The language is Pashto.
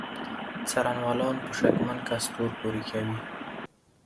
څارنوالان په شکمن کس تور پورې کوي.